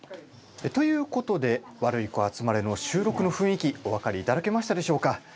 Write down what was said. ということで「ワルイコあつまれ」の収録の雰囲気お分かりいただけましたでしょうか。